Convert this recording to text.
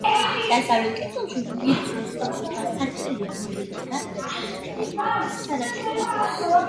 დასავლეთ კედელში ვიწრო სწორკუთხა სარკმელია, რომელსაც გარედან თლილი ქვის საპირე აქვს.